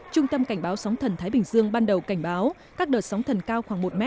trung tâm cảnh báo sóng thần thái bình dương ban đầu cảnh báo các đợt sóng thần cao khoảng một m